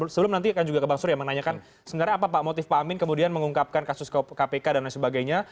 sebelum nanti akan juga ke bang surya menanyakan sebenarnya apa pak motif pak amin kemudian mengungkapkan kasus kpk dan lain sebagainya